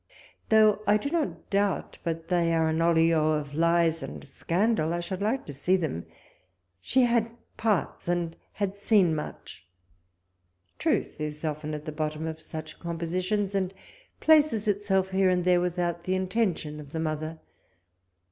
Though I do not doubt but they are an olio of lies and scandal, I should like to see them. She had parts, and had seen much. Truth is often at the bottom of such compositions and places itself here and there without the in tention of the mother.